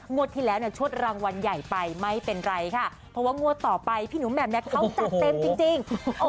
งวดที่แล้วชวดรางวัลใหญ่ไปไม่เป็นไรค่ะเพราะว่างวัดต่อไปพี่หนูแม่มเขาจัดเต็มจริง